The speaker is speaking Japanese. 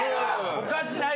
おかしない。